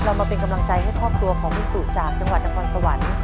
เรามาเป็นกำลังใจให้ครอบครัวของคุณสุจากจังหวัดนครสวรรค์